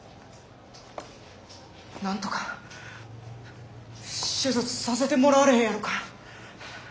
なんとか手術させてもらわれへんやろか？